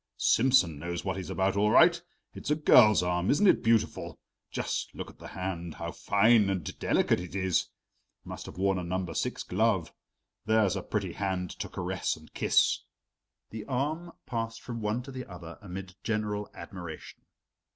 Simsen knows what he's about all right. It's a girl's arm; isn't it beautiful? Just look at the hand how fine and delicate it is! Must have worn a No. 6 glove. There's a pretty hand to caress and kiss!" The arm passed from one to the other amid general admiration.